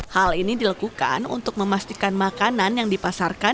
hal ini dilakukan untuk memastikan makanan yang dipasarkan